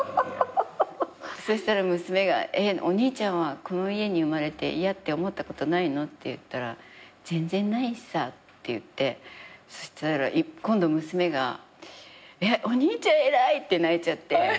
そしたら娘が「お兄ちゃんはこの家に生まれて嫌って思ったことないの？」って言ったら「全然ない」って言ってそしたら今度娘が「お兄ちゃん偉い」って泣いちゃって。